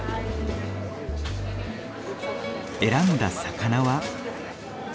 選んだ魚は。